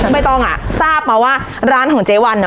ไม่ต้องอ่ะทราบมาว่าร้านของเจ๊วันอ่ะ